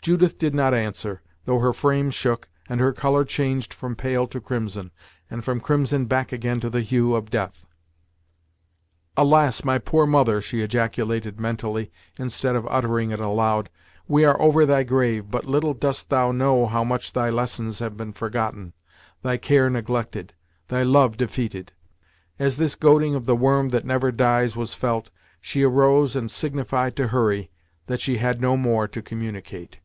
Judith did not answer, though her frame shook, and her colour changed from pale to crimson, and from crimson back again to the hue of death. "Alas! my poor mother!" she ejaculated mentally instead of uttering it aloud, "We are over thy grave, but little dost thou know how much thy lessons have been forgotten; thy care neglected; thy love defeated!" As this goading of the worm that never dies was felt, she arose and signified to Hurry, that she had no more to communicate.